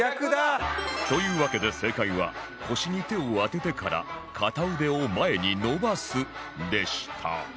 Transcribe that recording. というわけで正解は腰に手を当ててから片腕を前に伸ばすでした